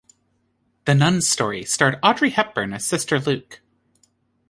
"The Nun's Story" starred Audrey Hepburn as Sister Luke.